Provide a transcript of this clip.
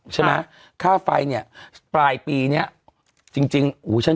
ใช่มั้ยค่าไฟเนี่ยปลายปีเนี่ยจริงอู้วว